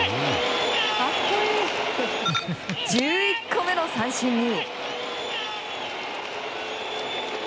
１１個目の三振に。